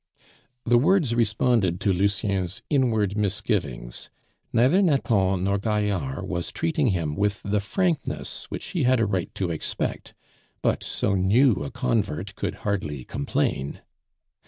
The words responded to Lucien's inward misgivings. Neither Nathan nor Gaillard was treating him with the frankness which he had a right to expect, but so new a convert could hardly complain.